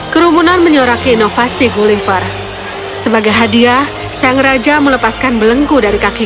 kerumunan menyoraki inovasi gulliver sebagai hadiah sang raja melepaskan belengku dari kaki